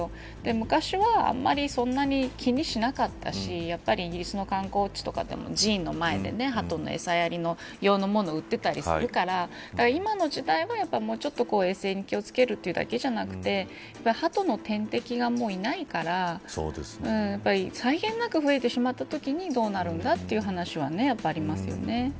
昔はそんなに気にしなかったしイギリスの観光地とかでも寺院の前でハトの餌やり用のものを売っていたりするから今の時代は、もうちょっと衛生に気を付けるというだけじゃなくてハトの天敵がもういないから際限なく増えてしまったときにどうなるかという話はありますよね。